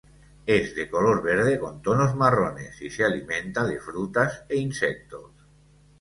Es de color verde con tonos marrones y se alimenta de frutas e insectos.